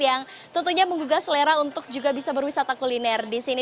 yang tentunya menggugah selera untuk juga bisa berwisata kuliner di sini